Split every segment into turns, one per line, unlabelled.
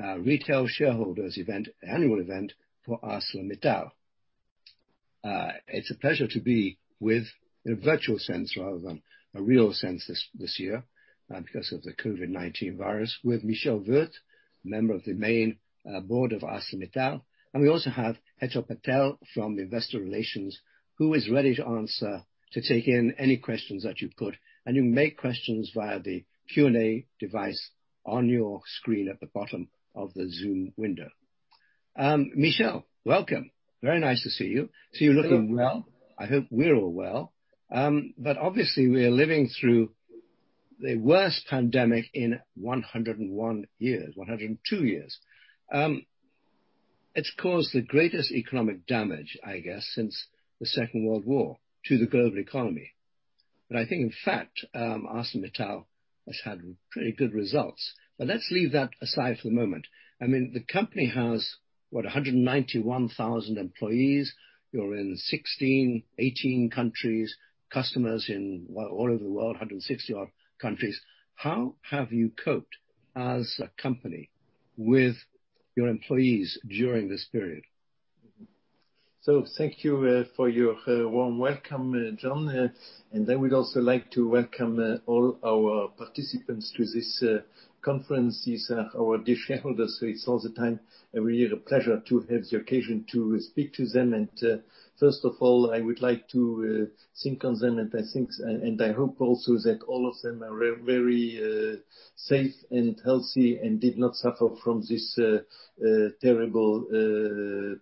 Our retail shareholders event, annual event for ArcelorMittal. It's a pleasure to be with, in a virtual sense rather than a real sense this year because of the COVID-19 virus, with Michel Wurth, member of the main board of ArcelorMittal, and we also have Hetal Patel from Investor Relations, who is ready to answer, to take in any questions that you put, and you make questions via the Q&A device on your screen at the bottom of the Zoom window. Michel, welcome. Very nice to see you.
Hello.
See you're looking well. I hope we're all well. Obviously, we are living through the worst pandemic in 101 years, 102 years. It's caused the greatest economic damage, I guess, since the Second World War to the global economy. I think in fact, ArcelorMittal has had pretty good results. Let's leave that aside for the moment. I mean, the company has, what, 191,000 employees. You're in 16, 18 countries, customers in all over the world, 160 odd countries. How have you coped as a company with your employees during this period?
Thank you for your warm welcome, John. I would also like to welcome all our participants to this conference. These are our dear shareholders, it's all the time a real pleasure to have the occasion to speak to them. First of all, I would like to think on them, and I hope also that all of them are very safe and healthy and did not suffer from this terrible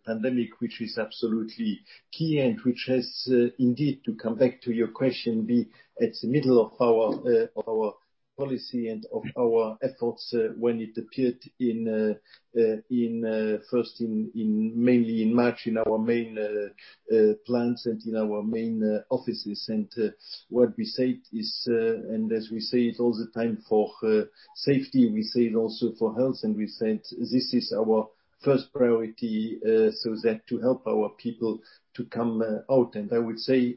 pandemic, which is absolutely key and which has indeed, to come back to your question, be at the middle of our policy and of our efforts when it appeared first mainly in March in our main plants and in our main offices. What we said is, and as we say it all the time for safety, we say it also for health, and we said this is our first priority, so that to help our people to come out. I would say,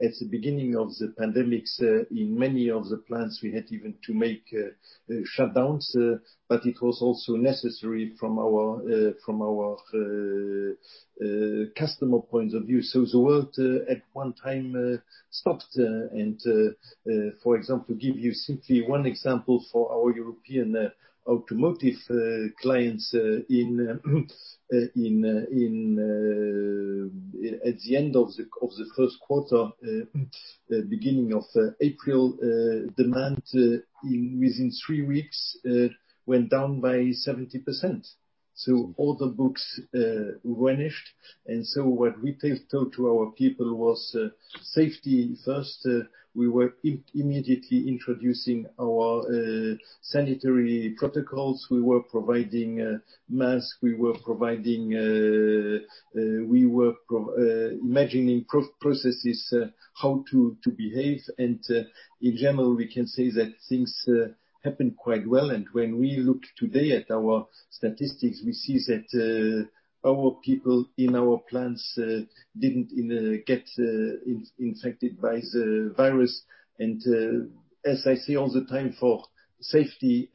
at the beginning of the pandemic, in many of the plants, we had even to make shutdowns, but it was also necessary from our customer point of view. The world at one time stopped. For example, give you simply one example for our European automotive clients, at the end of the first quarter, beginning of April, demand within three weeks, went down by 70%. All the books vanished. What we told to our people was safety first. We were immediately introducing our sanitary protocols. We were providing masks. We were imagining processes, how to behave. In general, we can say that things happened quite well. When we look today at our statistics, we see that our people in our plants didn't get infected by the virus. As I say all the time for safety,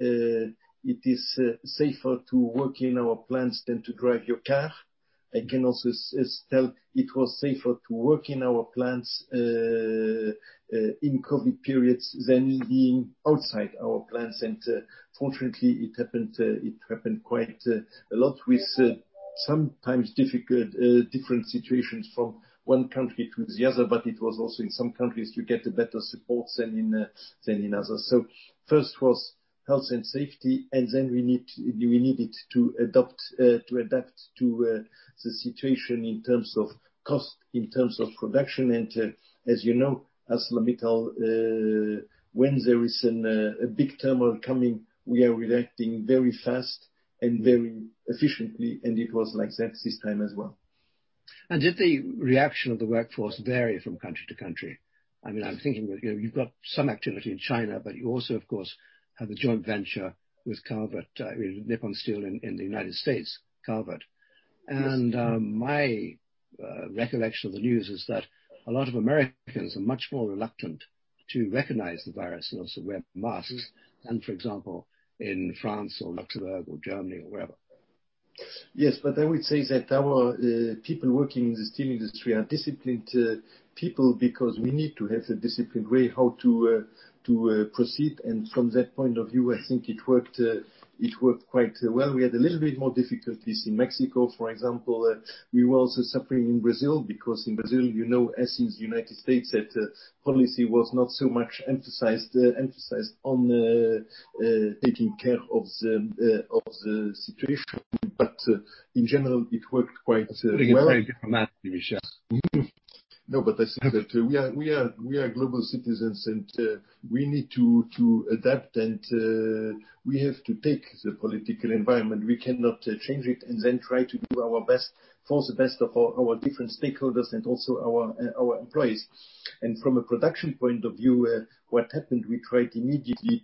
it is safer to work in our plants than to drive your car. I can also tell it was safer to work in our plants in COVID periods than being outside our plants. Fortunately, it happened quite a lot with sometimes difficult, different situations from one country to the other, but it was also in some countries you get a better support than in others. First was health and safety, and then we needed to adapt to the situation in terms of cost, in terms of production. As you know, ArcelorMittal, when there is a big turmoil coming, we are reacting very fast and very efficiently, and it was like that this time as well.
Did the reaction of the workforce vary from country to country? I mean, I'm thinking you've got some activity in China, but you also, of course, have a joint venture with Cleveland-Cliffs, Nippon Steel in the United States, Cleveland-Cliffs. My recollection of the news is that a lot of Americans are much more reluctant to recognize the virus and also wear masks than, for example, in France or Luxembourg or Germany or wherever.
Yes, I would say that our people working in the steel industry are disciplined people because we need to have a disciplined way how to proceed. From that point of view, I think it worked quite well. We had a little bit more difficulties in Mexico, for example. We were also suffering in Brazil because in Brazil, you know, as in the U.S., that policy was not so much emphasized on taking care of the situation. In general, it worked quite well.
That's very diplomatic, Michel.
I think that we are global citizens, and we need to adapt, and we have to take the political environment. We cannot change it and then try to do our best for the best of our different stakeholders and also our employees. From a production point of view, what happened, we tried immediately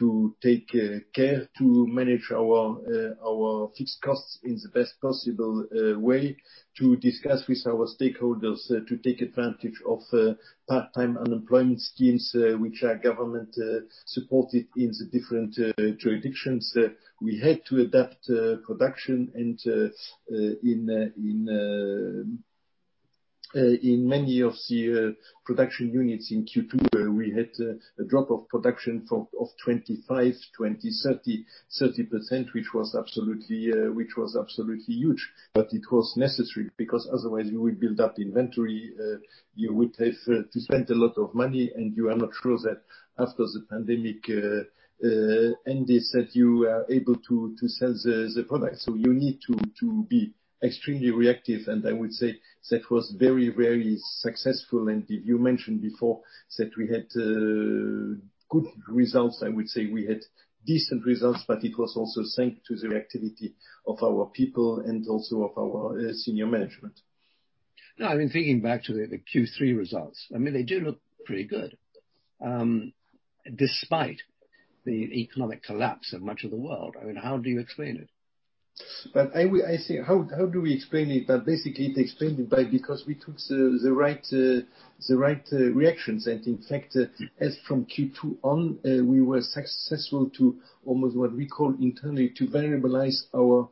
to take care to manage our fixed costs in the best possible way, to discuss with our stakeholders to take advantage of part-time unemployment schemes, which are government supported in the different jurisdictions. We had to adapt production in many of the production units in Q2, where we had a drop of production of 25%, 20%, 30% which was absolutely huge. It was necessary, because otherwise you will build up inventory, you would have to spend a lot of money, and you are not sure that after the pandemic ends, that you are able to sell the product. You need to be extremely reactive, and I would say that was very successful. You mentioned before that we had good results. I would say we had decent results, but it was also thanks to the reactivity of our people and also of our senior management.
In thinking back to the Q3 results, they do look pretty good, despite the economic collapse of much of the world. How do you explain it?
How do we explain it? Basically, it explained it by because we took the right reactions. In fact, as from Q2 on, we were successful to almost what we call internally, to variabilize our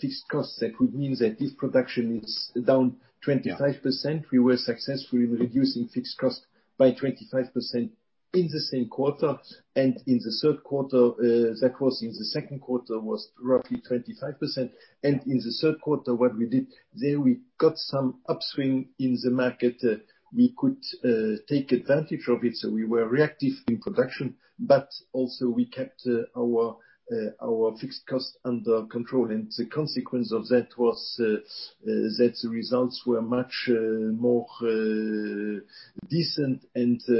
fixed costs. That would mean that if production is down 25%.
Yeah
We were successfully reducing fixed cost by 25% in the same quarter. That was in the second quarter, was roughly 25%. In the third quarter, what we did there, we got some upswing in the market. We could take advantage of it, so we were reactive in production. Also we kept our fixed cost under control. The consequence of that was that the results were much more decent.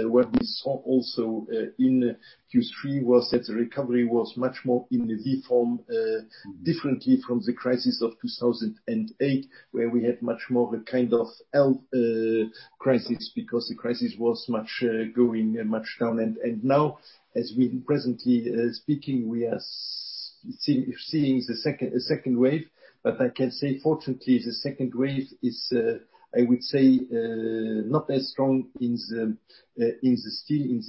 What we saw also in Q3 was that the recovery was much more in the V form, differently from the crisis of 2008, where we had much more of a kind of health crisis, because the crisis was going much down. Now, as we presently speaking, we are seeing the second wave. I can say, fortunately, the second wave is, I would say, not as strong in the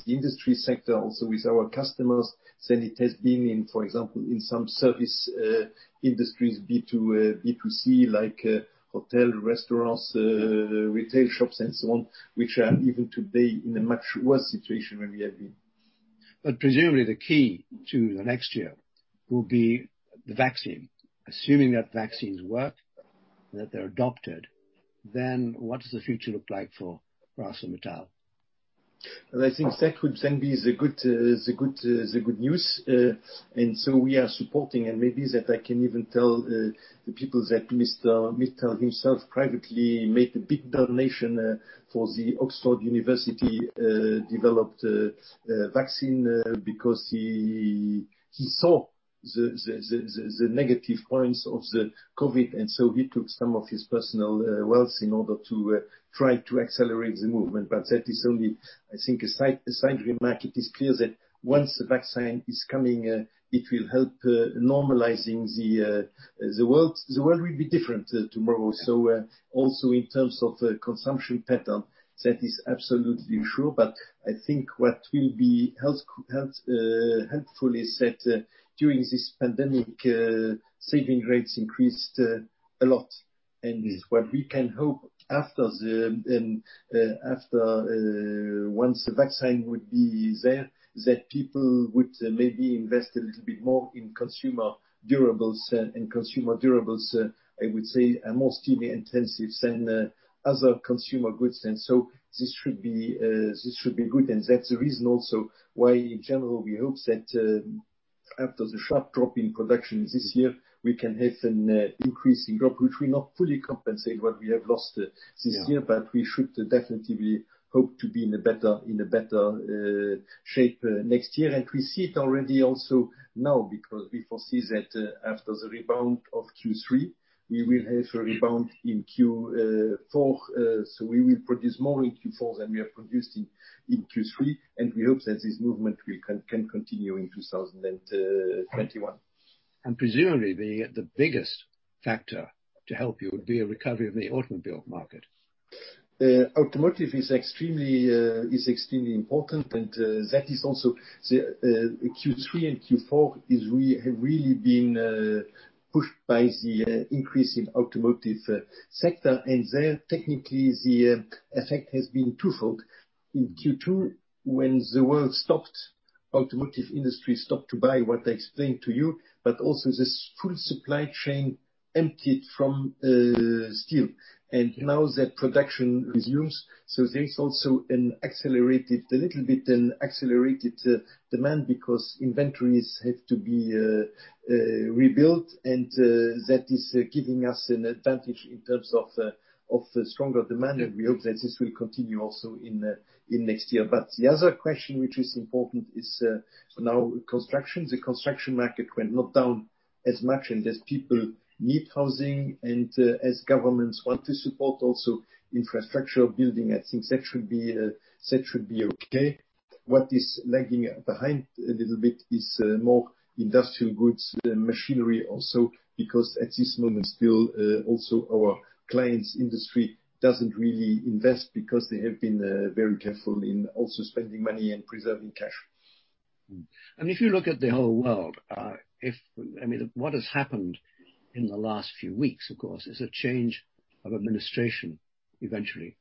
industry sector, also with our customers, than it has been in, for example, in some service, industries B2C, like hotel, restaurants, retail shops and so on, which are even today in a much worse situation than we have been.
Presumably the key to the next year will be the vaccine. Assuming that vaccines work and that they're adopted, what does the future look like for ArcelorMittal?
Well, I think that would then be the good news. We are supporting, and maybe that I can even tell the people that Lakshmi Mittal himself privately made a big donation for the Oxford University-developed vaccine, because he saw the negative points of the COVID, and so he took some of his personal wealth in order to try to accelerate the movement. That is only, I think, a side remark. It is clear that once the vaccine is coming, it will help normalizing the world. The world will be different tomorrow. Also in terms of consumption pattern, that is absolutely true. I think what will be helpful is that during this pandemic, saving rates increased a lot. What we can hope once the vaccine would be there, that people would maybe invest a little bit more in consumer durables. Consumer durables, I would say, are more steel intensive than other consumer goods. This should be good. That's the reason also why in general, we hope that after the sharp drop in production this year, we can have an increasing drop, which will not fully compensate what we have lost this year.
Yeah
We should definitely hope to be in a better shape next year. We see it already also now, because we foresee that after the rebound of Q3, we will have a rebound in Q4. We will produce more in Q4 than we have produced in Q3, and we hope that this movement can continue in 2021.
Presumably the biggest factor to help you would be a recovery of the automobile market.
Automotive is extremely important, and that is also Q3 and Q4 have really been pushed by the increase in automotive sector. There, technically, the effect has been twofold. In Q2, when the world stopped, automotive industry stopped to buy, what I explained to you, but also this full supply chain emptied from steel. Now that production resumes, so there is also a little bit an accelerated demand because inventories have to be rebuilt, and that is giving us an advantage in terms of stronger demand. We hope that this will continue also in next year. The other question which is important is now construction. The construction market went not down as much and as people need housing, and as governments want to support also infrastructure building, I think that should be okay. What is lagging behind a little bit is more industrial goods than machinery also, because at this moment still, also our clients' industry doesn't really invest because they have been very careful in also spending money and preserving cash.
If you look at the whole world, what has happened in the last few weeks, of course, is a change of administration, eventually,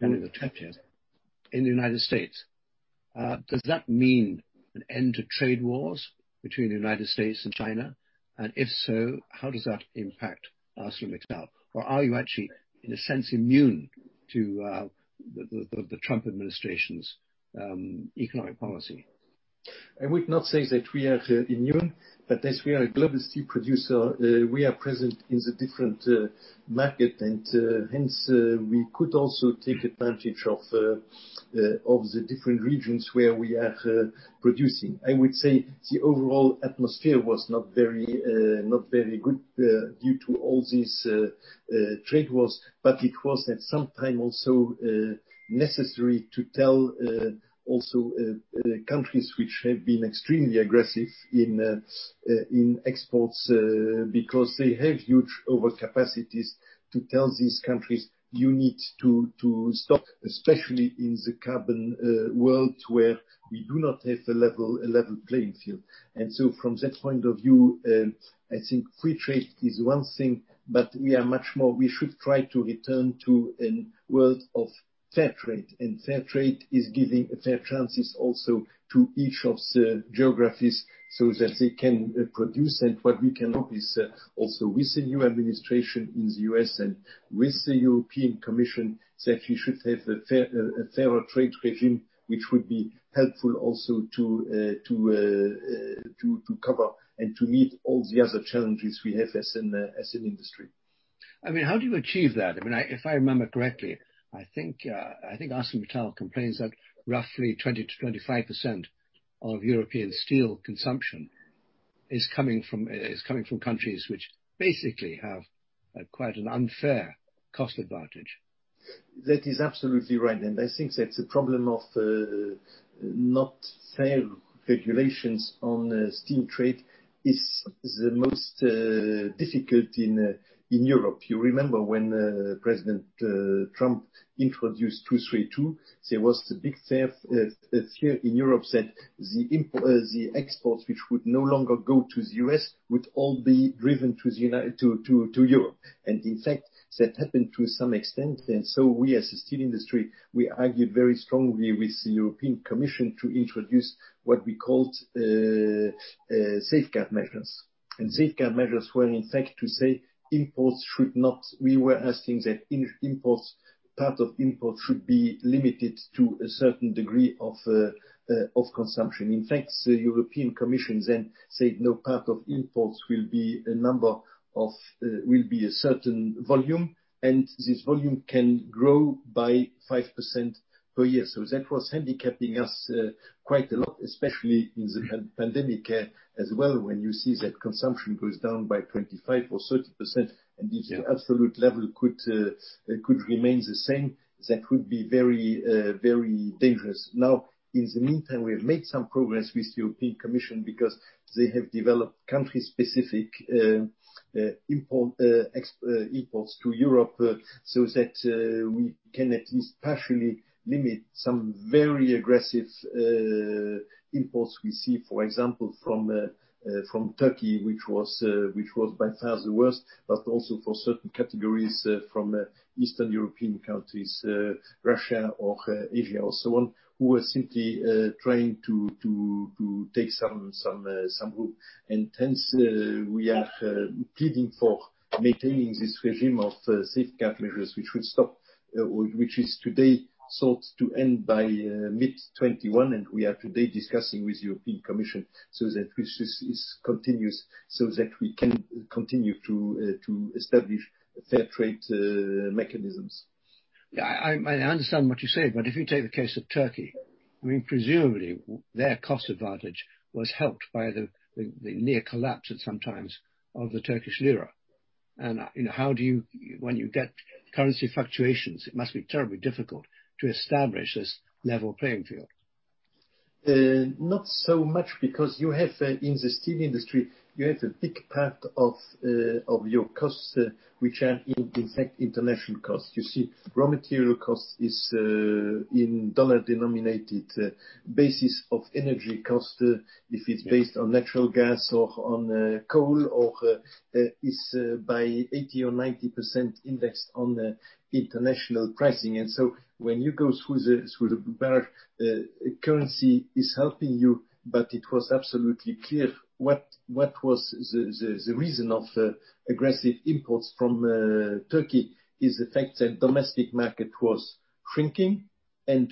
coming into effect.
Yes
in the U.S. Does that mean an end to trade wars between the U.S. and China? If so, how does that impact ArcelorMittal? Are you actually, in a sense, immune to the Trump administration's economic policy?
I would not say that we are immune, but as we are a global steel producer, we are present in the different markets and hence, we could also take advantage of the different regions where we are producing. I would say the overall atmosphere was not very good due to all these trade wars, but it was at some time also necessary to tell also countries which have been extremely aggressive in exports because they have huge overcapacities, to tell these countries, "You need to stop," especially in the carbon world where we do not have a level playing field. From that point of view, I think free trade is one thing, but we should try to return to a world of fair trade. Fair trade is giving fair chances also to each of the geographies so that they can produce. What we can hope is, also with the new administration in the U.S. and with the European Commission, that we should have a fairer trade regime, which would be helpful also to cover and to meet all the other challenges we have as an industry.
How do you achieve that? If I remember correctly, I think ArcelorMittal complains that roughly 20%-25% of European steel consumption is coming from countries which basically have quite an unfair cost advantage.
That is absolutely right. I think that the problem of not fair regulations on steel trade is the most difficult in Europe. You remember when Donald Trump introduced 232, there was the big fear in Europe that the exports which would no longer go to the U.S. would all be driven to Europe. In fact, that happened to some extent. We as a steel industry, we argued very strongly with the European Commission to introduce what we called safeguard measures. Safeguard measures were in fact to say, we were asking that part of imports should be limited to a certain degree of consumption. The European Commission said, "No part of imports will be a certain volume, and this volume can grow by 5% per year." That was handicapping us quite a lot, especially in the pandemic as well, when you see that consumption goes down by 25% or 30%, and the absolute level could remain the same. That could be very dangerous. In the meantime, we have made some progress with the European Commission because they have developed country-specific imports to Europe so that we can at least partially limit some very aggressive imports we see, for example, from Turkey, which was by far the worst, but also for certain categories from Eastern European countries, Russia or Asia, or so on, who were simply trying to take some route. Hence, we are pleading for maintaining this regime of safeguard measures, which is today sought to end by mid 2021, and we are today discussing with the European Commission so that this continues, so that we can continue to establish fair trade mechanisms.
Yeah. I understand what you're saying, but if you take the case of Turkey, presumably their cost advantage was helped by the near collapse at some times of the Turkish lira. When you get currency fluctuations, it must be terribly difficult to establish this level playing field.
Not so much because you have in the steel industry, you have a big part of your costs, which are in fact international costs. You see, raw material cost is in dollar-denominated basis of energy cost. If it's based on natural gas or on coal, or is by 80% or 90% indexed on the international pricing. When you go through the, currency is helping you, but it was absolutely clear what was the reason of the aggressive imports from Turkey, is the fact that domestic market was shrinking and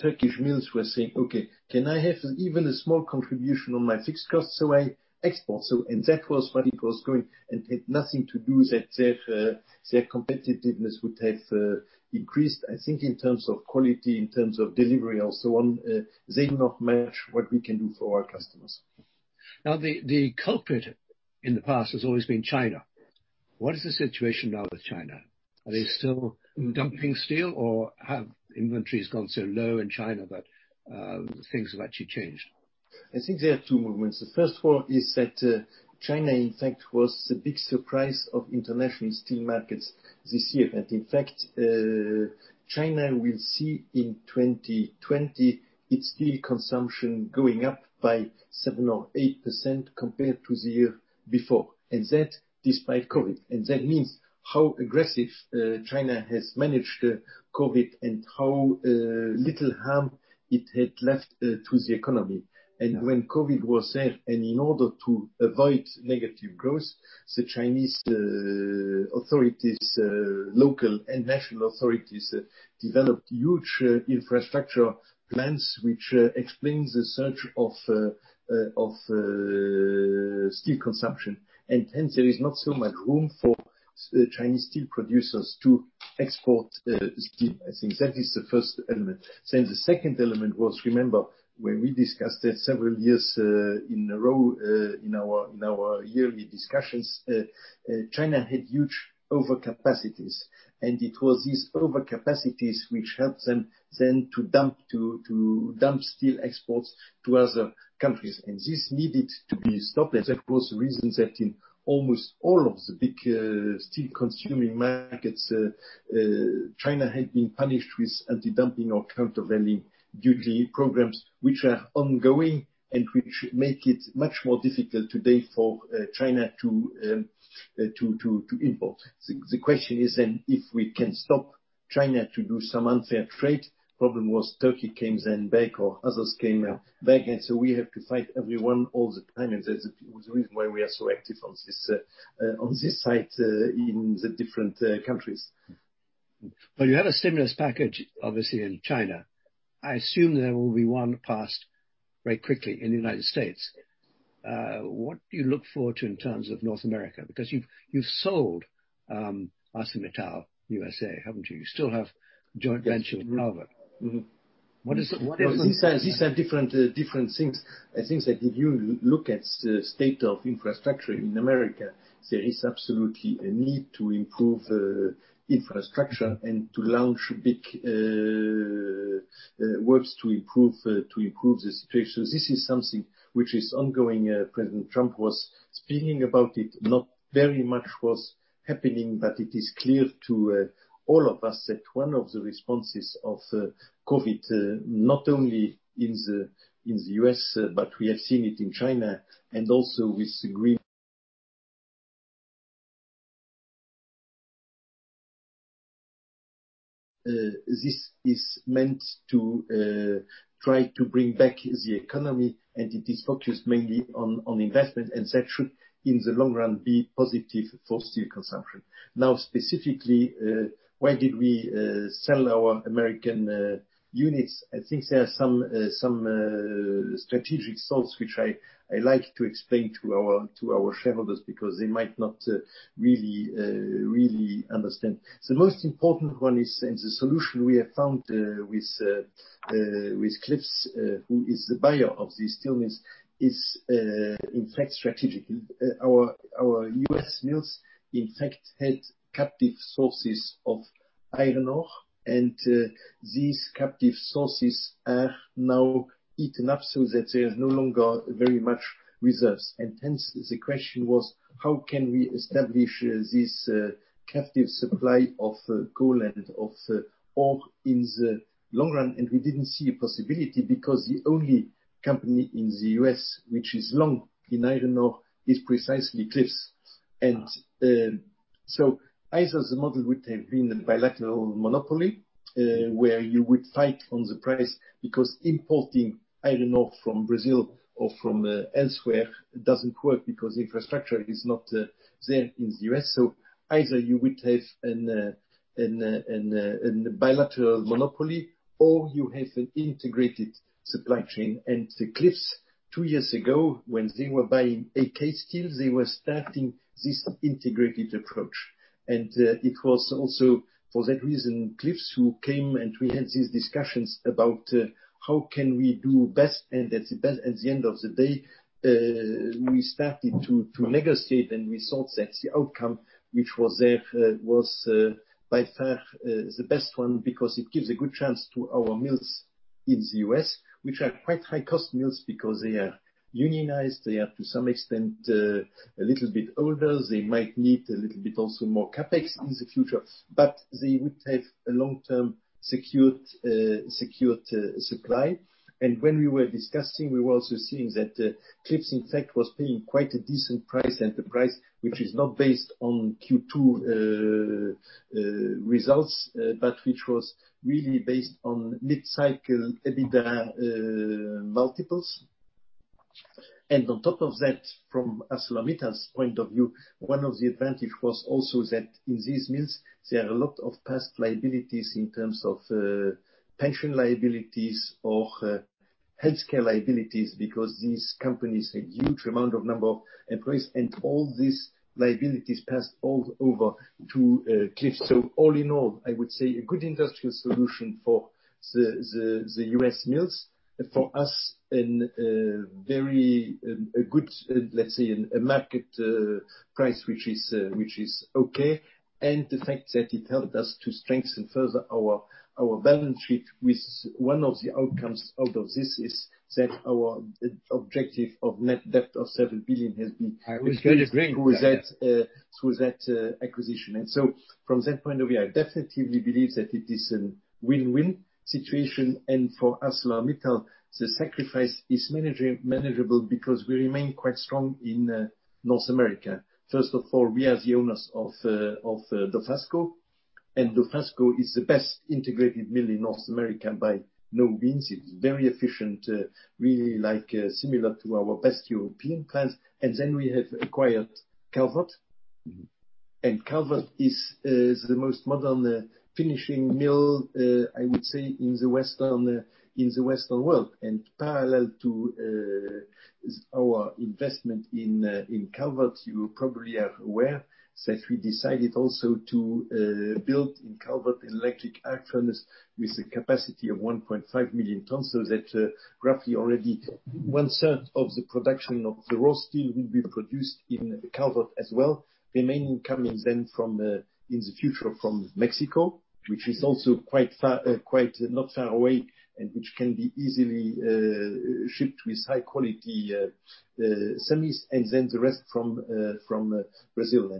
Turkish mills were saying, "Okay, can I have even a small contribution on my fixed costs so I export?" That was what it was going, and it nothing to do that their competitiveness would have increased. I think in terms of quality, in terms of delivery or so on, they not match what we can do for our customers.
The culprit in the past has always been China. What is the situation now with China? Are they still dumping steel, or have inventories gone so low in China that things have actually changed?
I think there are two movements. The first one is that China, in fact, was the big surprise of international steel markets this year. In fact, China will see in 2020 its steel consumption going up by 7% or 8% compared to the year before, and that despite COVID-19. That means how aggressive China has managed COVID-19 and how little harm it had left to the economy. When COVID-19 was there, and in order to avoid negative growth, the Chinese authorities, local and national authorities, developed huge infrastructure plans, which explains the surge of steel consumption. Hence, there is not so much room for Chinese steel producers to export steel. I think that is the first element. The second element was, remember, when we discussed that several years in a row in our yearly discussions, China had huge overcapacities, and it was these overcapacities which helped them then to dump steel exports to other countries. This needed to be stopped. That was the reason that in almost all of the big steel consuming markets, China had been punished with anti-dumping or countervailing duty programs, which are ongoing and which make it much more difficult today for China to import. The question is then, if we can stop China to do some unfair trade. Problem was Turkey came then back, or others came back, and so we have to fight everyone all the time, and that's the reason why we are so active on this side in the different countries.
You have a stimulus package, obviously, in China. I assume there will be one passed very quickly in the United States. What do you look forward to in terms of North America? You've sold ArcelorMittal USA, haven't you? You still have a joint venture with Nippon. What is-
These are different things. I think that if you look at the state of infrastructure in America, there is absolutely a need to improve infrastructure and to launch big works to improve the situation. This is something which is ongoing. Donald Trump was speaking about it. Not very much was happening, but it is clear to all of us that one of the responses of COVID-19, not only in the U.S., but we have seen it in China and also with Greta. This is meant to try to bring back the economy, and it is focused mainly on investment, and that should, in the long run, be positive for steel consumption. Now, specifically, why did we sell our American units? I think there are some strategic thoughts which I like to explain to our shareholders because they might not really understand. The most important one is, the solution we have found with Cleveland-Cliffs, who is the buyer of these steel mills, is in fact strategic. Our U.S. mills, in fact, had captive sources of iron ore, these captive sources are now eaten up so that they have no longer very much reserves. The question was, how can we establish this captive supply of coal and of ore in the long run? We didn't see a possibility because the only company in the U.S. which is long in iron ore is precisely Cleveland-Cliffs. Either the model would have been a bilateral monopoly, where you would fight on the price, because importing iron ore from Brazil or from elsewhere doesn't work because infrastructure is not there in the U.S. Either you would have a bilateral monopoly, or you have an integrated supply chain. Cleveland-Cliffs, two years ago, when they were buying AK Steel, they were starting this integrated approach. It was also for that reason, Cleveland-Cliffs, who came, and we had these discussions about how can we do best. At the end of the day, we started to negotiate, and we thought that the outcome which was there was by far the best one because it gives a good chance to our mills in the U.S., which are quite high-cost mills because they are unionized. They are, to some extent, a little bit older. They might need a little bit also more CapEx in the future, but they would have a long-term secured supply. When we were discussing, we were also seeing that Cleveland-Cliffs, in fact, was paying quite a decent price and a price which is not based on Q2 results, but which was really based on mid-cycle EBITDA multiples. On top of that, from ArcelorMittal's point of view, one of the advantage was also that in these mills, there are a lot of past liabilities in terms of pension liabilities or healthcare liabilities, because these companies a huge amount of number of employees, and all these liabilities passed over to Cliff. All in all, I would say a good industrial solution for the U.S. mills. For us, a good, let's say, market price, which is okay. The fact that it helped us to strengthen further our balance sheet with one of the outcomes out of this is that our objective of net debt of $7 billion has been-
I would strongly agree with that.
through that acquisition. From that point of view, I definitely believe that it is a win-win situation. For ArcelorMittal, the sacrifice is manageable because we remain quite strong in North America. First of all, we are the owners of Dofasco, and Dofasco is the best integrated mill in North America by no means. It's very efficient, really similar to our best European plants. We have acquired Calvert. Calvert is the most modern finishing mill, I would say, in the Western world. Parallel to our investment in Calvert, you probably are aware, that we decided also to build in Calvert electric arc furnace with a capacity of 1.5 million tons. That roughly already one-third of the production of the raw steel will be produced in Calvert as well. The main coming then in the future from Mexico, which is also not far away and which can be easily shipped with high quality semis, and then the rest from Brazil.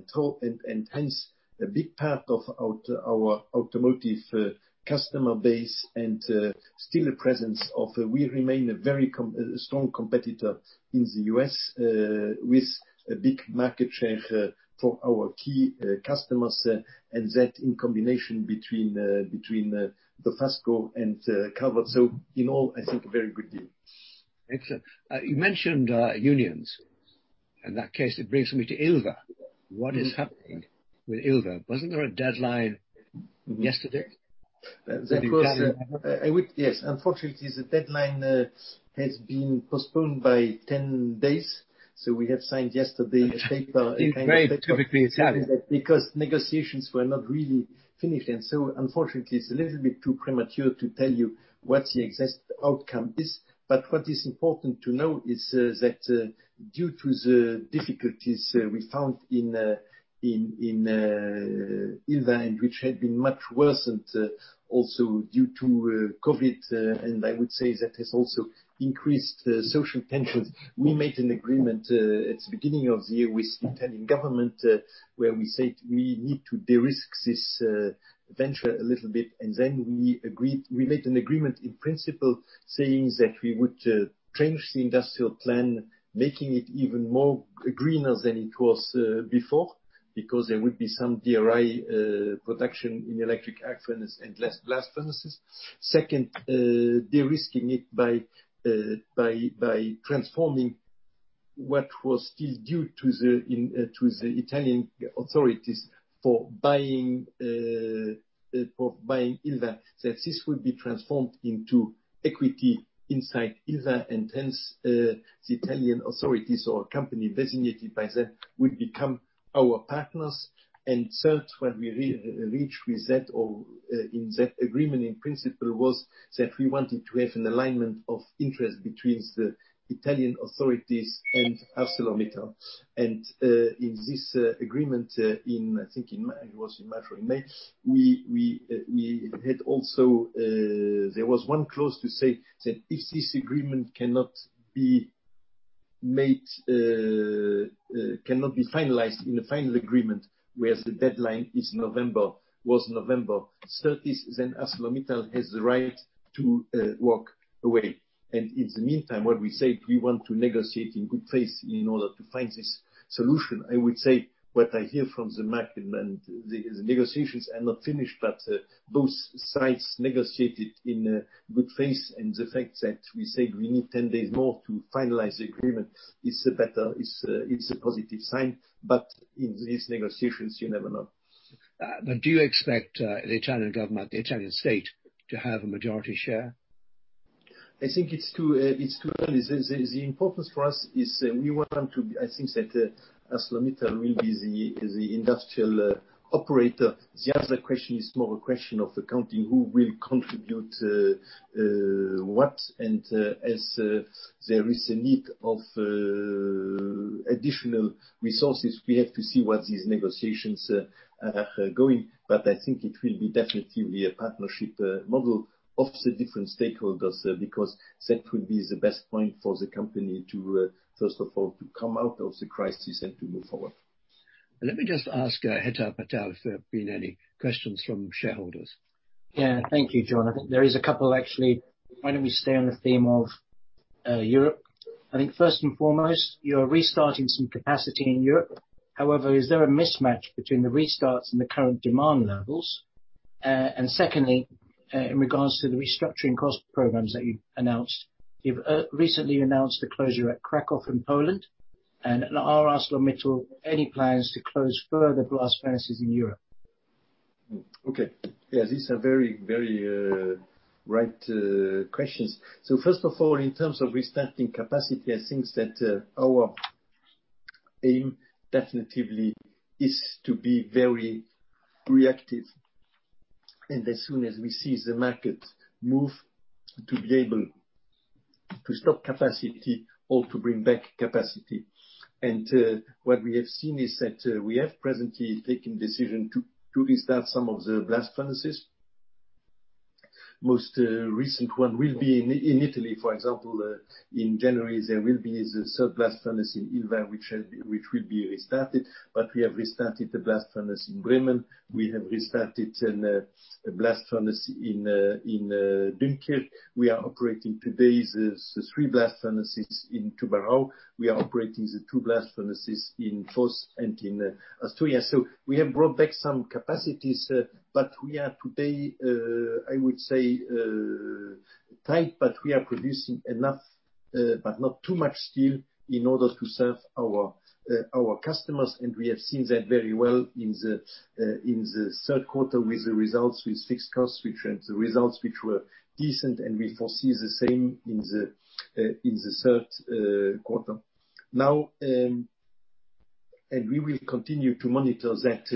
Hence, a big part of our automotive customer base and still a presence of, we remain a very strong competitor in the U.S. with a big market share for our key customers, and that in combination between Dofasco and Calvert. In all, I think a very good deal.
Excellent. You mentioned unions. In that case, it brings me to Ilva. What is happening with Ilva? Wasn't there a deadline yesterday that you gathered?
Yes. Unfortunately, the deadline has been postponed by 10 days. We have signed yesterday a paper-.
In very typically Italian.
Negotiations were not really finished. Unfortunately, it's a little bit too premature to tell you what the exact outcome is. What is important to know is that due to the difficulties we found in Ilva, and which had been much worsened also due to COVID, and I would say that has also increased social tensions. We made an agreement at the beginning of the year with the Italian government, where we said we need to de-risk this venture a little bit. We made an agreement in principle saying that we would change the industrial plan, making it even more greener than it was before, because there would be some DRI production in electric arc furnace and less blast furnaces. Second, de-risking it by transforming what was still due to the Italian authorities for buying Ilva, that this would be transformed into equity inside Ilva, and hence, the Italian authorities or company designated by that would become our partners. Third, what we reached with that or in that agreement in principle, was that we wanted to have an alignment of interest between the Italian authorities and ArcelorMittal. In this agreement, I think it was in March or in May, there was one clause to say that if this agreement cannot be finalized in the final agreement, whereas the deadline was November 30th, then ArcelorMittal has the right to walk away. In the meantime, what we said, we want to negotiate in good faith in order to find this solution. I would say what I hear from the market, and the negotiations are not finished, but both sides negotiated in good faith, and the fact that we said we need 10 days more to finalize the agreement is a positive sign. In these negotiations, you never know.
Do you expect the Italian government, the Italian state, to have a majority share?
I think it's too early. The importance for us is I think that ArcelorMittal will be the industrial operator. The other question is more a question of the country who will contribute what. As there is a need of additional resources, we have to see what these negotiations are going. I think it will be definitely a partnership model of the different stakeholders, because that will be the best point for the company to first of all, to come out of the crisis and to move forward.
Let me just ask Hetal Patel if there have been any questions from shareholders.
Yeah. Thank you, John. I think there is a couple, actually. Why don't we stay on the theme of Europe? I think first and foremost, you're restarting some capacity in Europe. However, is there a mismatch between the restarts and the current demand levels? Secondly, in regards to the restructuring cost programs that you announced, you've recently announced the closure at Kraków in Poland, and are ArcelorMittal any plans to close further blast furnaces in Europe?
Okay. Yeah, these are very right questions. First of all, in terms of restarting capacity, I think that our aim definitely is to be very reactive, and as soon as we see the market move, to be able to stop capacity or to bring back capacity. What we have seen is that we have presently taken decision to restart some of the blast furnaces. Most recent one will be in Italy, for example, in January, there will be the third blast furnace in Ilva, which will be restarted, we have restarted the blast furnace in Bremen. We have restarted a blast furnace in Dunkirk. We are operating today the three blast furnaces in Tubarão. We are operating the two blast furnaces in Fos and in Asturias. We have brought back some capacities, but we are today, I would say, tight, but we are producing enough, but not too much steel in order to serve our customers. We have seen that very well in the third quarter with the results, which were decent, and we foresee the same in the third quarter. Now, we will continue to monitor that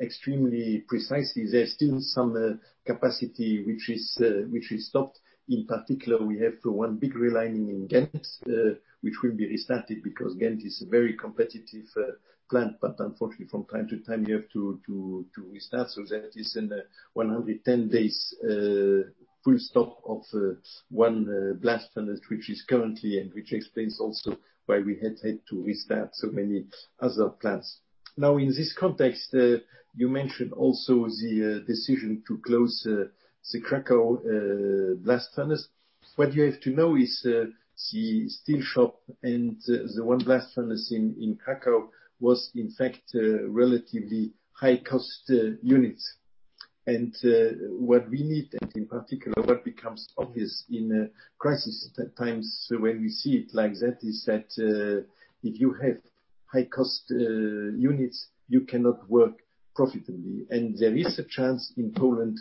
extremely precisely. There is still some capacity which we stopped. In particular, we have one big relining in Ghent, which will be restarted because Ghent is a very competitive plant, but unfortunately, from time to time, you have to restart. That is in the 110 days full stop of one blast furnace, which is currently and which explains also why we had to restart so many other plants. In this context, you mentioned also the decision to close the Krakow blast furnace. What you have to know is the steel shop and the one blast furnace in Krakow was in fact a relatively high cost unit. What we need, and in particular, what becomes obvious in crisis times when we see it like that, is that if you have high cost units, you cannot work profitably. There is a chance in Poland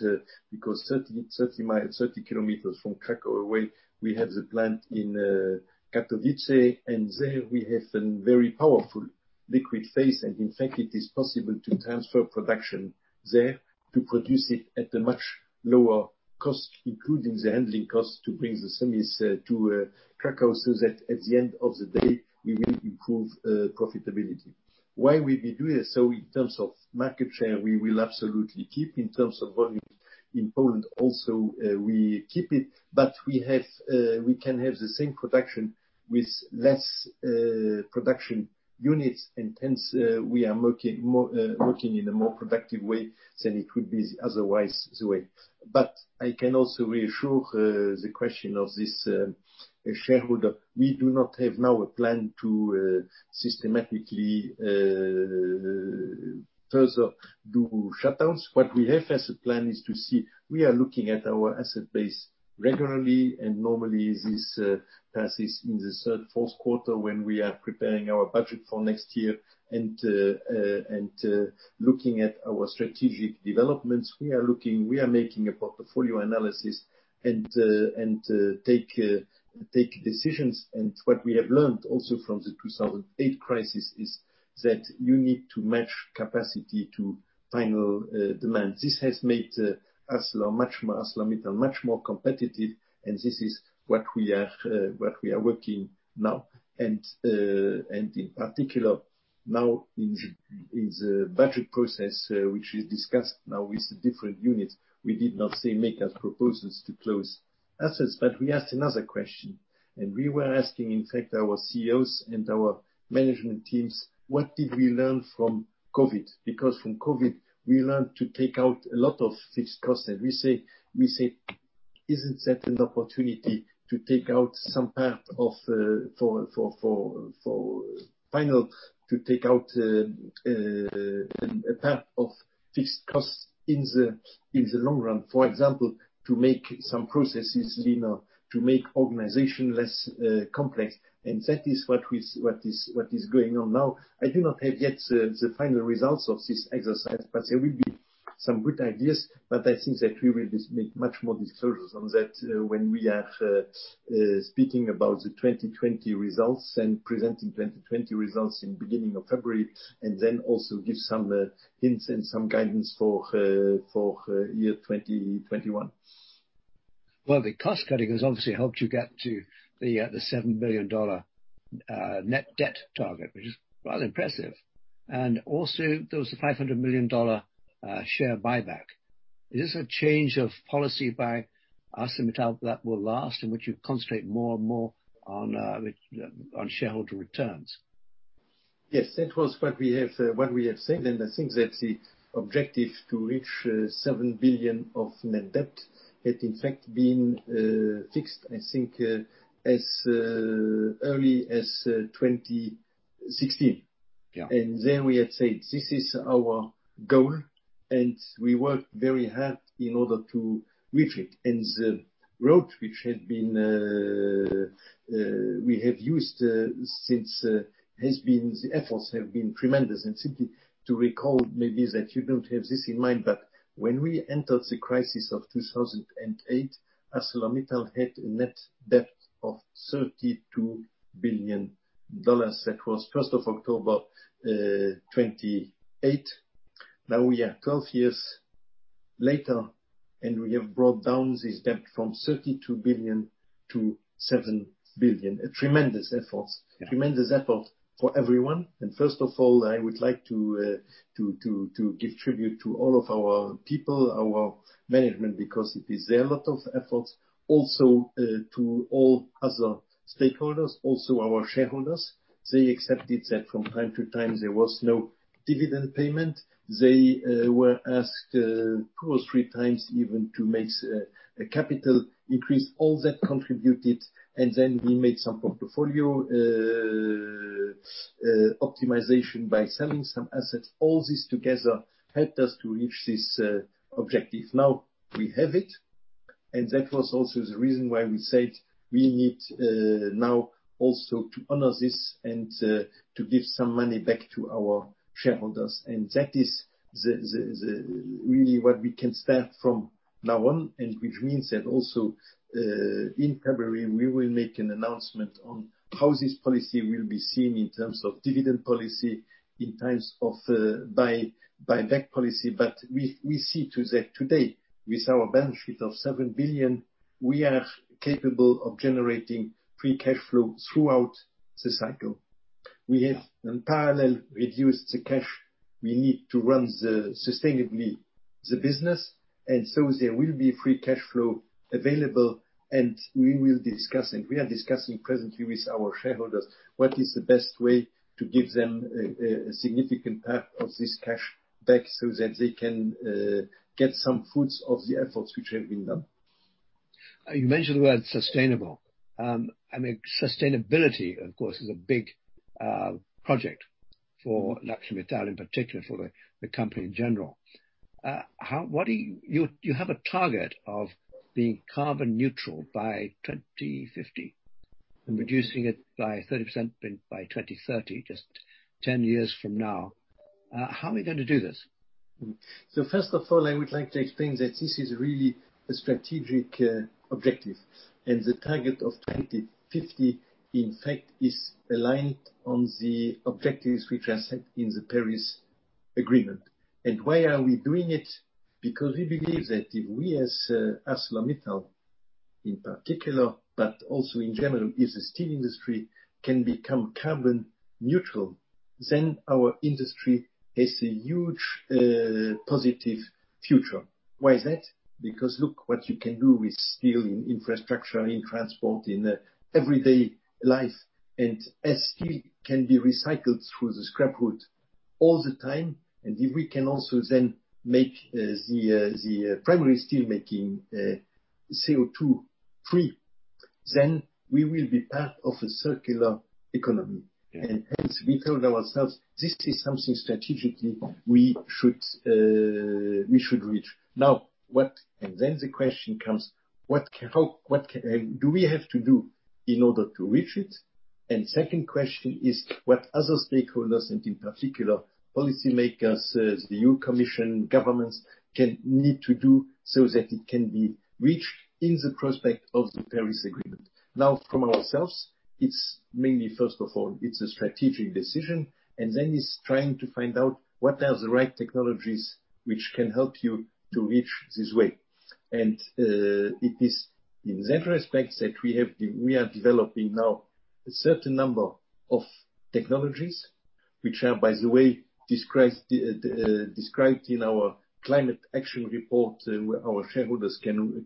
because 30 km from Krakow away, we have the plant in Katowice, and there we have a very powerful liquid phase. In fact, it is possible to transfer production there to produce it at a much lower cost, including the handling cost, to bring the semis to Krakow, so that at the end of the day, we will improve profitability. In terms of market share, we will absolutely keep. In terms of volume in Poland also, we keep it, but we can have the same production with less production units, and hence, we are working in a more productive way than it would be otherwise the way. I can also reassure the question of this shareholder. We do not have now a plan to systematically further do shutdowns. What we have as a plan is to see, we are looking at our asset base regularly and normally this passes in the third, fourth quarter when we are preparing our budget for next year and looking at our strategic developments. We are looking, we are making a portfolio analysis and take decisions. What we have learned also from the 2008 crisis is that you need to match capacity to final demand. This has made ArcelorMittal much more competitive, and this is what we are working now, and in particular, now in the budget process, which is discussed now with the different units. We did not say make us proposals to close assets, but we asked another question. We were asking, in fact, our CEOs and our management teams, what did we learn from COVID? From COVID, we learned to take out a lot of fixed costs. We say, isn't that an opportunity to take out a part of fixed costs in the long run. For example, to make some processes leaner, to make organization less complex, and that is what is going on now. I do not have yet the final results of this exercise, but there will be some good ideas. I think that we will make much more disclosures on that when we are speaking about the 2020 results and presenting 2020 results in beginning of February, and then also give some hints and some guidance for year 2021.
The cost-cutting has obviously helped you get to the $7 billion net debt target, which is rather impressive. Also, there was a $500 million share buyback. Is this a change of policy by ArcelorMittal that will last, in which you concentrate more and more on shareholder returns?
Yes, that was what we have said. I think that the objective to reach $7 billion of net debt had in fact been fixed, I think, as early as 2016. We had said, this is our goal, and we worked very hard in order to reach it. The road which we have used since, the efforts have been tremendous. Simply to recall, maybe that you don't have this in mind, but when we entered the crisis of 2008, ArcelorMittal had a net debt of $32 billion. That was 1st of October 2008. Now we are 12 years later, we have brought down this debt from $32 billion to $7 billion. A tremendous effort.
Yeah.
A tremendous effort for everyone. First of all, I would like to give tribute to all of our people, our management, because it is their lot of efforts. To all other stakeholders, also our shareholders. They accepted that from time to time, there was no dividend payment. They were asked two or three times even to make a capital increase, all that contributed. Then we made some portfolio optimization by selling some assets. All this together helped us to reach this objective. Now we have it, and that was also the reason why we said we need now also to honor this and to give some money back to our shareholders. That is really what we can start from now on, and which means that also, in February, we will make an announcement on how this policy will be seen in terms of dividend policy, in terms of buyback policy. We see that today, with our benefit of $7 billion, we are capable of generating free cash flow throughout the cycle.
Yeah.
We have in parallel reduced the cash we need to run the, sustainably, the business. There will be free cash flow available, and we will discuss, and we are discussing presently with our shareholders what is the best way to give them a significant part of this cash back so that they can get some fruits of the efforts which have been done.
You mentioned the word sustainable. Sustainability, of course, is a big project for ArcelorMittal in particular, for the company in general. You have a target of being carbon neutral by 2050 and reducing it by 30% by 2030, just 10 years from now. How are we going to do this?
First of all, I would like to explain that this is really a strategic objective. The target of 2050, in fact, is aligned on the objectives which are set in the Paris Agreement. Why are we doing it? Because we believe that if we as ArcelorMittal in particular, but also in general, if the steel industry can become carbon neutral, then our industry has a huge positive future. Why is that? Because look what you can do with steel in infrastructure, in transport, in everyday life. As steel can be recycled through the scrap route all the time, and if we can also then make the primary steel making CO2-free, then we will be part of a circular economy.
Yeah.
Hence we told ourselves, this is something strategically we should reach. The question comes: what do we have to do in order to reach it? Second question is, what other stakeholders and in particular policymakers, the EU Commission, governments need to do so that it can be reached in the prospect of the Paris Agreement? From ourselves, it's mainly, first of all, it's a strategic decision, and then it's trying to find out what are the right technologies which can help you to reach this way. It is in that respect that we are developing now a certain number of technologies, which are, by the way, described in our Climate Action Report, where our shareholders can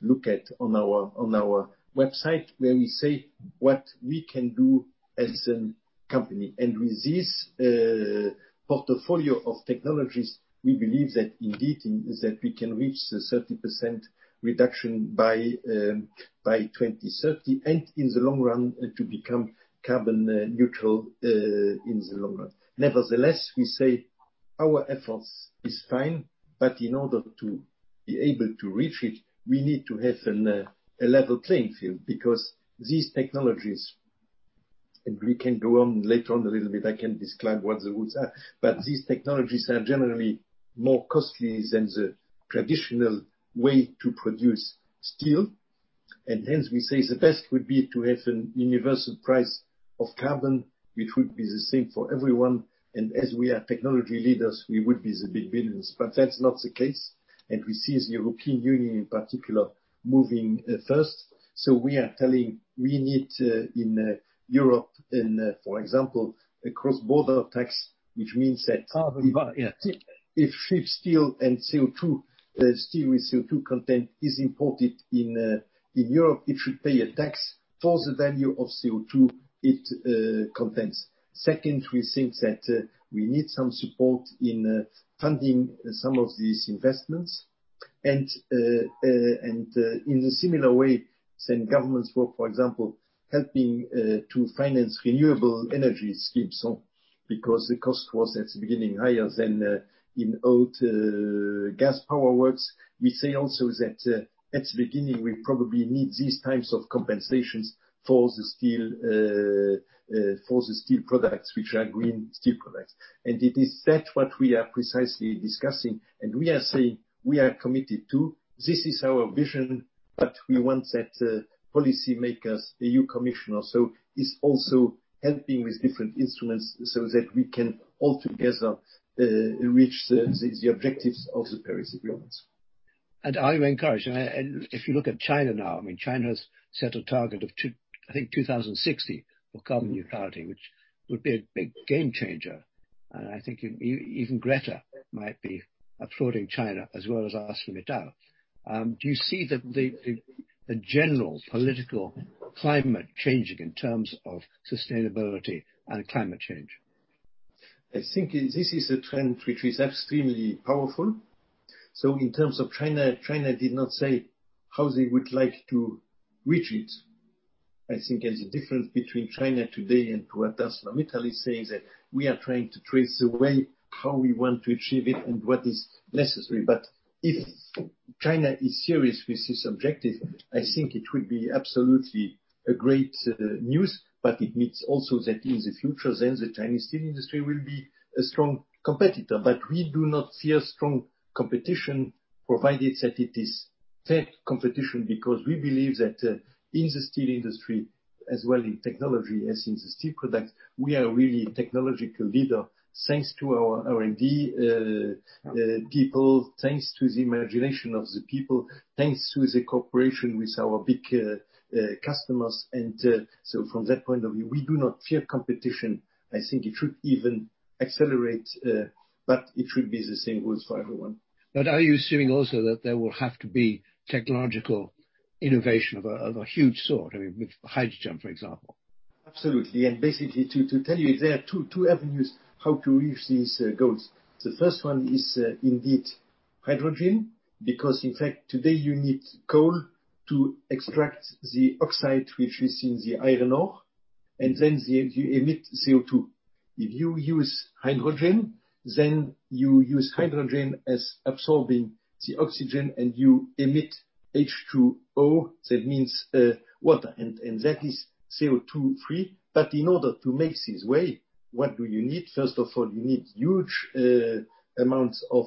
look at on our website, where we say what we can do as a company. With this portfolio of technologies, we believe that indeed, that we can reach the 30% reduction by 2030, and in the long run, to become carbon neutral in the long run. Nevertheless, we say our efforts is fine, but in order to be able to reach it, we need to have a level playing field, because these technologies, and we can go on later on a little bit, I can describe what the routes are. These technologies are generally more costly than the traditional way to produce steel. Hence we say the best would be to have an universal price of carbon, which would be the same for everyone. As we are technology leaders, we would be the big winners. That's not the case. We see the European Union in particular moving first. We are telling we need in Europe, for example, a carbon border tax, which means that.
Carbon, yeah.
If steel and CO2, steel with CO2 content is imported in Europe, it should pay a tax for the value of CO2 it contains. Second, we think that we need some support in funding some of these investments. In a similar way than governments were, for example, helping to finance renewable energy schemes, because the cost was, at the beginning, higher than in old gas power works. We say also that at the beginning, we probably need these types of compensations for the steel products, which are green steel products. It is that what we are precisely discussing, and we are saying we are committed to. This is our vision, but we want that policymakers, the EU Commissioner or so, is also helping with different instruments so that we can all together reach the objectives of the Paris Agreement.
Are you encouraged? If you look at China now, China's set a target of, I think, 2060 for carbon neutrality, which would be a big game changer. I think even Greta might be applauding China as well as ArcelorMittal. Do you see the general political climate changing in terms of sustainability and climate change?
I think this is a trend which is extremely powerful. In terms of China did not say how they would like to reach it. I think there is a difference between China today and what ArcelorMittal is saying, that we are trying to trace a way how we want to achieve it and what is necessary. If China is serious with this objective, I think it will be absolutely a great news. It means also that in the future, the Chinese steel industry will be a strong competitor. We do not fear strong competition, provided that it is fair competition, because we believe that in the steel industry, as well in technology as in the steel products, we are really a technological leader. Thanks to our R&D people, thanks to the imagination of the people, thanks to the cooperation with our big customers. From that point of view, we do not fear competition. I think it should even accelerate, but it should be the same rules for everyone.
Are you assuming also that there will have to be technological innovation of a huge sort, with hydrogen, for example?
Absolutely. Basically, to tell you, there are two avenues how to reach these goals. The first one is indeed hydrogen, because in fact today you need coal to extract the oxide, which is in the iron ore, and then you emit CO2. If you use hydrogen, then you use hydrogen as absorbing the oxygen and you emit H2O. That means water, and that is CO2-free. In order to make this way, what do you need? First of all, you need huge amounts of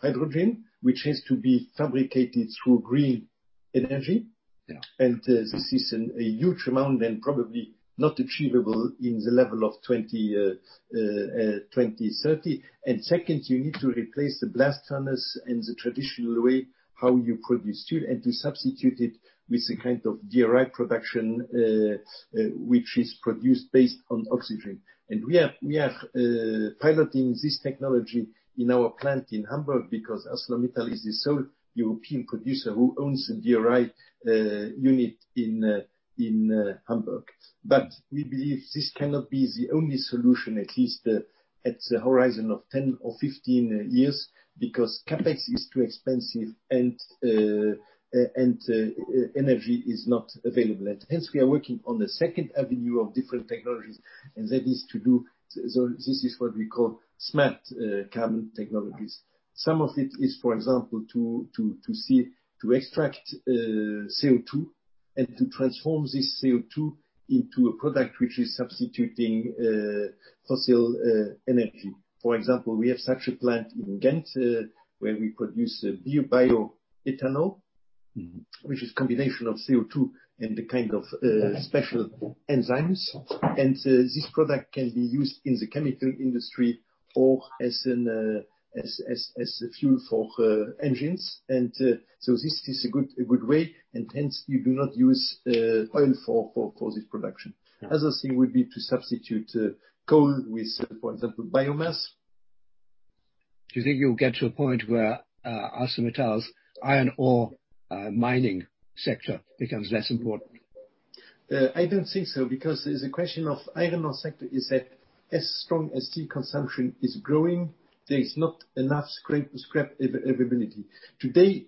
hydrogen, which has to be fabricated through green energy.
Yeah.
This is a huge amount and probably not achievable in the level of 2030. Second, you need to replace the blast furnace and the traditional way how you produce steel and to substitute it with a kind of DRI production, which is produced based on oxygen. We are piloting this technology in our plant in Hamburg because ArcelorMittal is the sole European producer who owns the DRI unit in Hamburg. We believe this cannot be the only solution, at least at the horizon of 10 or 15 years, because CapEx is too expensive and energy is not available. We are working on the second avenue of different technologies. This is what we call Smart Carbon technologies. Some of it is, for example, to see, to extract CO2 and to transform this CO2 into a product which is substituting fossil energy. For example, we have such a plant in Ghent, where we produce bioethanol. which is combination of CO2 and a kind of special enzymes. This product can be used in the chemical industry or as a fuel for engines. This is a good way, and hence you do not use oil for this production. Other thing would be to substitute coal with, for example, biomass.
Do you think you'll get to a point where ArcelorMittal's iron ore mining sector becomes less important?
I don't think so. There's a question of iron ore sector is that as strong as steel consumption is growing, there is not enough scrap availability. Today,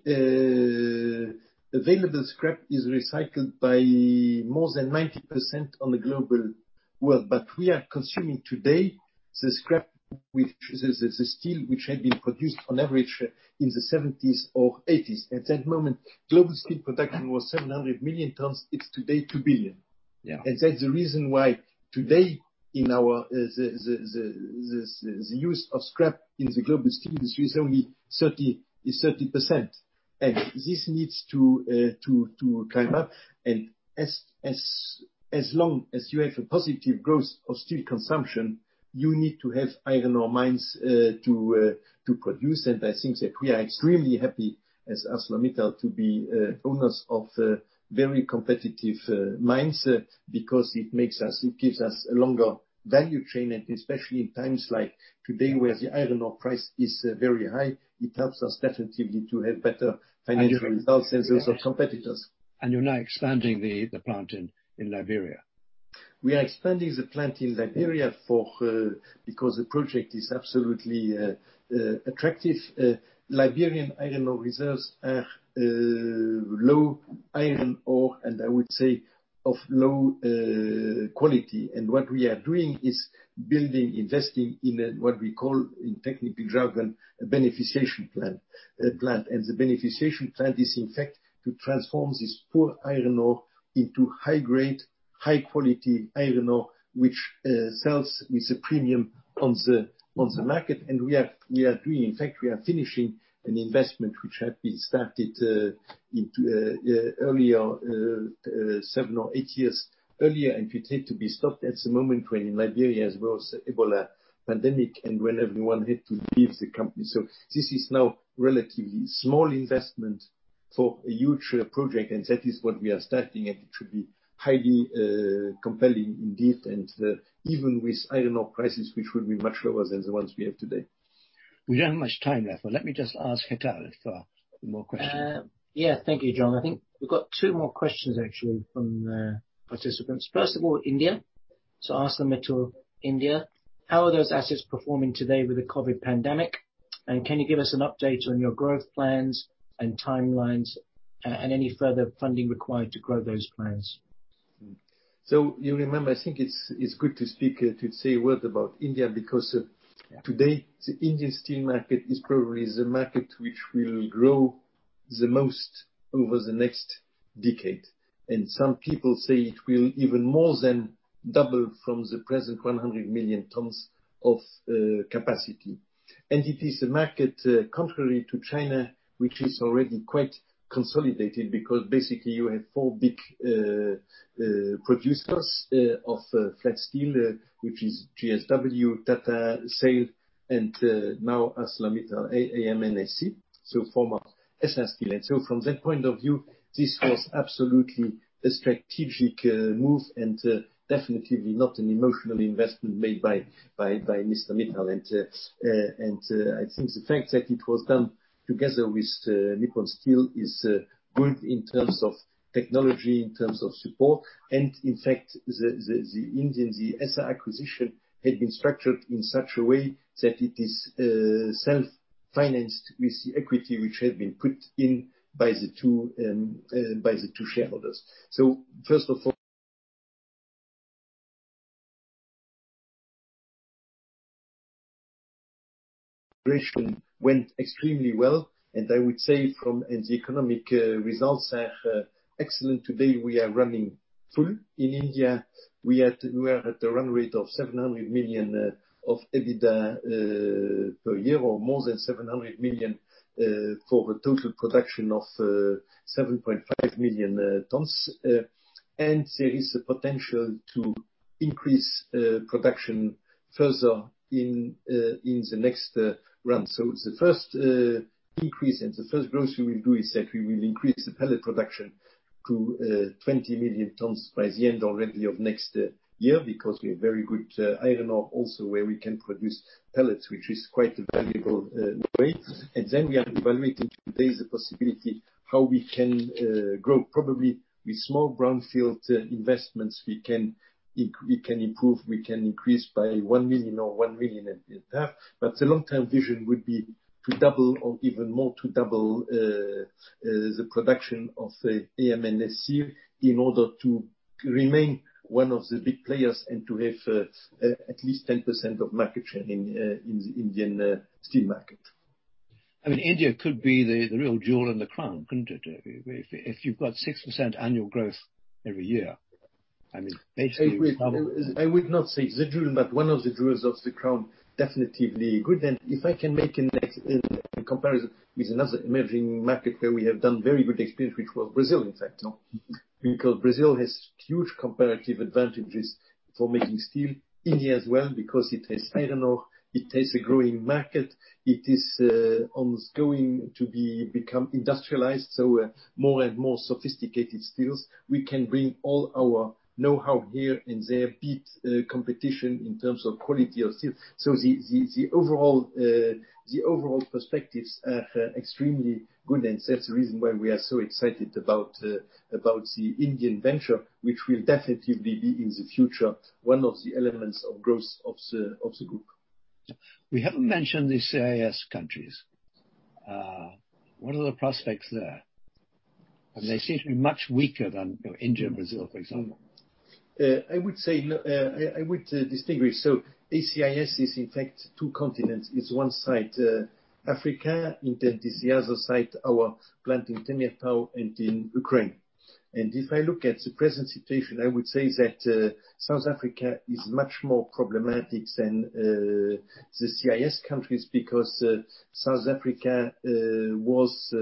available scrap is recycled by more than 90% on the global world. We are consuming today the scrap which, the steel which had been produced on average in the 1970s or 1980s. At that moment, global steel production was 700 million tons. It's today 2 billion.
Yeah.
That's the reason why today in our, the use of scrap in the global steel industry is only 30%. This needs to climb up. As long as you have a positive growth of steel consumption, you need to have iron ore mines to produce. I think that we are extremely happy as ArcelorMittal to be owners of very competitive mines because it makes us, it gives us a longer value chain. Especially in times like today where the iron ore price is very high, it helps us definitely to have better financial results as those competitors.
You're now expanding the plant in Liberia.
We are expanding the plant in Liberia because the project is absolutely attractive. Liberian iron ore reserves are low iron ore, and I would say of low quality. What we are doing is building, investing in what we call, in technical jargon, a beneficiation plant. The beneficiation plant is in fact to transform this poor iron ore into high-grade, high quality iron ore, which sells with a premium on the market. We are doing. In fact, we are finishing an investment which had been started seven or eight years earlier, and which had to be stopped at the moment when in Liberia as well as Ebola pandemic, and when everyone had to leave the company. This is now relatively small investment for a huge project, and that is what we are starting. It should be highly compelling indeed. Even with iron ore prices, which will be much lower than the ones we have today.
We don't have much time left, so let me just ask Hetal for more questions.
Yeah. Thank you, John. I think we've got two more questions actually from participants. First of all, India. ArcelorMittal, India, how are those assets performing today with the COVID pandemic? Can you give us an update on your growth plans and timelines and any further funding required to grow those plans?
You remember, I think it's good to speak, to say a word about India because today the Indian steel market is probably the market which will grow the most over the next decade. Some people say it will even more than double from the present 100 million tons of capacity. It is a market contrary to China, which is already quite consolidated because basically you have four big producers of flat steel, which is JSW, Tata, SAIL, and now ArcelorMittal AM/NS India, so former Essar Steel. From that point of view, this was absolutely a strategic move and definitely not an emotional investment made by ArcelorMittal. I think the fact that it was done together with Nippon Steel is good in terms of technology, in terms of support, and in fact, the Essar acquisition had been structured in such a way that it is self-financed with the equity which had been put in by the two shareholders. First of all went extremely well. I would say from the economic results are excellent. Today we are running full in India. We are at a run rate of $700 million of EBITDA per year or more than $700 million for the total production of 7.5 million tons. There is a potential to increase production further in the next run. The first increase and the first growth we will do is that we will increase the pellet production to 20 million tons by the end already of next year because we have very good iron ore also where we can produce pellets, which is quite a. We are evaluating today the possibility how we can grow probably with small brownfield investments we can improve, we can increase by 1 million or 1.5million. The long-term vision would be to double or even more to double the production of AM/NS India in order to remain one of the big players and to have at least 10% of market share in the Indian steel market.
India could be the real jewel in the crown, couldn't it, if you've got 6% annual growth every year? I mean.
I would not say the jewel, but one of the jewels of the crown definitely good. If I can make a comparison with another emerging market where we have done very good experience, which was Brazil, in fact.
No.
Brazil has huge comparative advantages for making steel. India as well, because it has iron ore, it has a growing market. It is almost going to become industrialized. More and more sophisticated steels. We can bring all our know-how here and there, beat competition in terms of quality of steel. The overall perspectives are extremely good, and that's the reason why we are so excited about the Indian venture, which will definitely be in the future one of the elements of growth of the group.
We haven't mentioned the CIS countries. What are the prospects there? They seem to be much weaker than India and Brazil, for example.
I would distinguish. CIS is in fact two continents. It's one side, Africa, and then it is the other side, our plant in Temirtau and in Ukraine. If I look at the present situation, I would say that South Africa is much more problematic than the CIS countries because South Africa was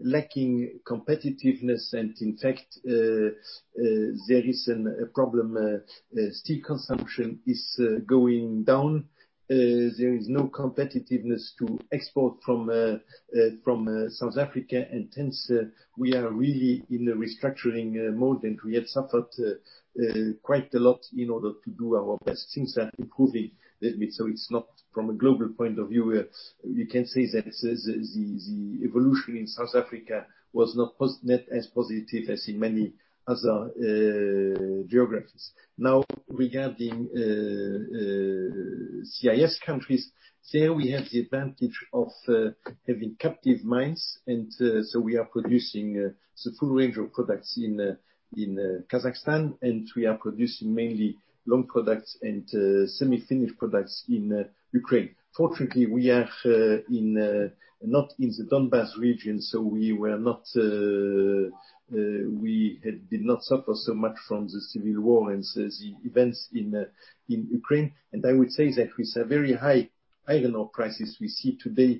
lacking competitiveness. In fact, there is a problem. Steel consumption is going down. There is no competitiveness to export from South Africa. Hence, we are really in a restructuring mode, and we have suffered quite a lot in order to do our best. Things are improving a little bit. It's not from a global point of view, you can say that the evolution in South Africa was not as positive as in many other geographies. Regarding CIS countries, there we have the advantage of having captive mines. We are producing the full range of products in Kazakhstan, and we are producing mainly long products and semi-finished products in Ukraine. Fortunately, we are not in the Donbas region, so we did not suffer so much from the civil war and the events in Ukraine. I would say that with a very high I don't know, prices we see today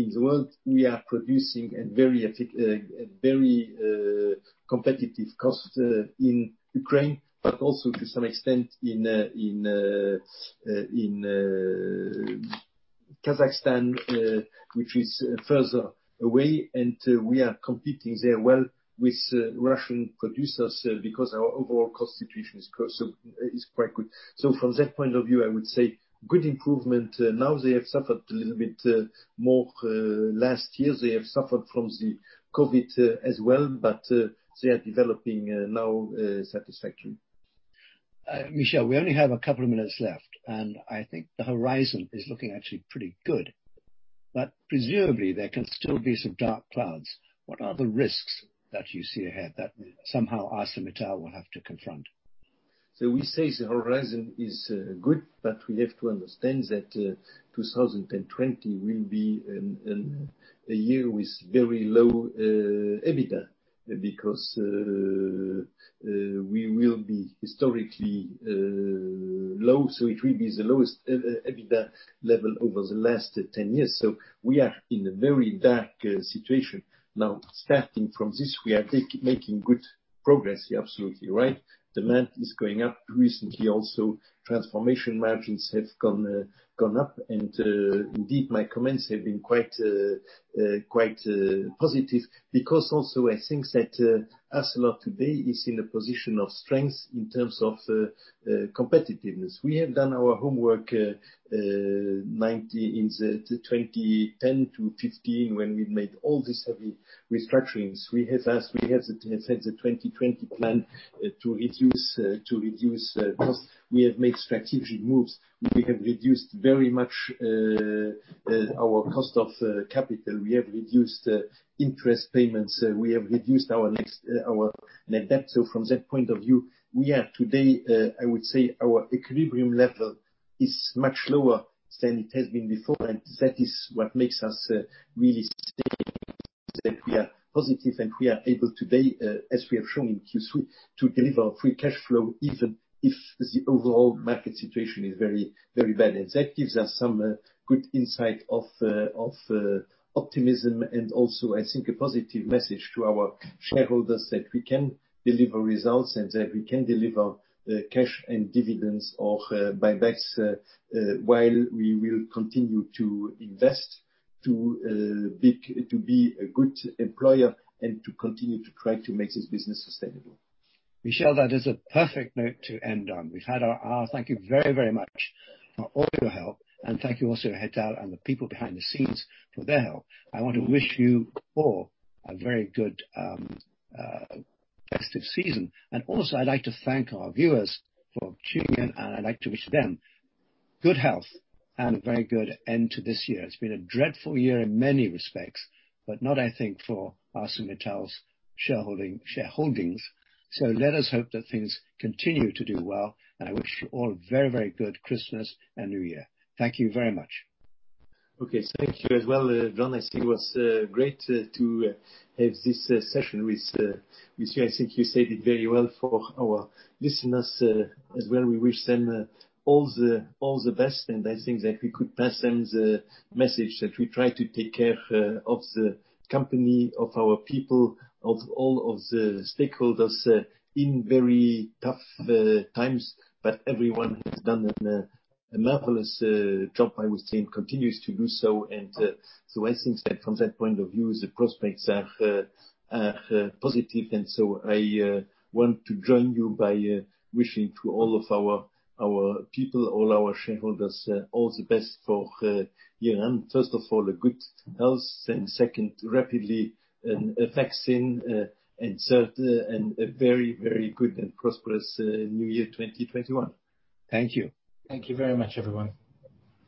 in the world. We are producing at very competitive cost in Ukraine, but also to some extent in Kazakhstan, which is further away, and we are competing there well with Russian producers because our overall cost situation is quite good. From that point of view, I would say good improvement. Now, they have suffered a little bit more. Last year, they have suffered from the COVID as well, but they are developing now satisfactory.
Michel, we only have a couple of minutes left, and I think the horizon is looking actually pretty good. Presumably, there can still be some dark clouds. What are the risks that you see ahead that somehow ArcelorMittal will have to confront?
We say the horizon is good, but we have to understand that 2020 will be a year with very low EBITDA because we will be historically low. It will be the lowest EBITDA level over the last 10 years. We are in a very dark situation. Now, starting from this, we are making good progress. You're absolutely right. Demand is going up. Recently also, transformation margins have gone up. Indeed, my comments have been quite positive because also I think that ArcelorMittal today is in a position of strength in terms of competitiveness. We have done our homework in the 2010 to 2015 when we made all the heavy restructurings. We have had the 2020 Plan to reduce cost. We have made strategic moves. We have reduced very much our cost of capital. We have reduced interest payments. We have reduced our net debt. From that point of view, we are today, I would say our equilibrium level is much lower than it has been before, and that is what makes us really stable, that we are positive and we are able today, as we have shown in Q3, to deliver free cash flow even if the overall market situation is very bad. That gives us some good insight of optimism and also, I think, a positive message to our shareholders that we can deliver results and that we can deliver cash and dividends or buybacks while we will continue to invest to be a good employer and to continue to try to make this business sustainable.
Michel, that is a perfect note to end on. We've had our hour. Thank you very, very much for all your help, and thank you also to Hetal and the people behind the scenes for their help. I want to wish you all a very good festive season. Also I'd like to thank our viewers for tuning in, and I'd like to wish them good health and a very good end to this year. It's been a dreadful year in many respects, but not, I think, for ArcelorMittal's shareholdings. Let us hope that things continue to do well, and I wish you all a very, very good Christmas and New Year. Thank you very much.
Okay. Thank you as well, John. I think it was great to have this session with you. I think you said it very well for our listeners as well. We wish them all the best, and I think that we could pass them the message that we try to take care of the company, of our people, of all of the stakeholders in very tough times. Everyone has done a marvelous job, I would say, and continues to do so. I think that from that point of view, the prospects are positive. I want to join you by wishing to all of our people, all our shareholders, all the best for year-end. First of all, a good health, and second, rapidly a vaccine, and third, and a very, very good and prosperous New Year 2021. Thank you.
Thank you very much, everyone.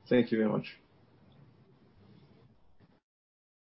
Thank you very much.